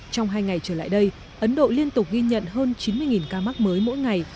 trong hai ngày trở lại đây ấn độ liên tục ghi nhận hơn chín mươi ca mắc mới mỗi ngày